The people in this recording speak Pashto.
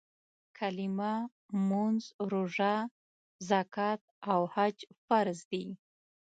کلیمه، مونځ، روژه، زکات او حج فرض دي.